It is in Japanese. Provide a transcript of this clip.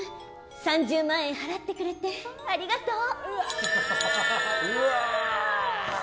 ３０万円払ってくれてありがとう！